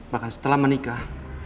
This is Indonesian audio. bahkan setelah menikah